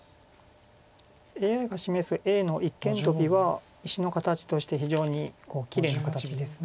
ＡＩが示すＡの一間トビは石の形として非常にきれいな形です。